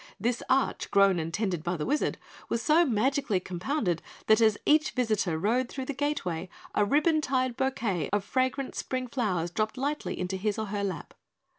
This arch, grown and tended by the Wizard, was so magically compounded that as each visitor rode through the gateway a ribbon tied bouquet of fragrant spring flowers dropped lightly into his or her lap.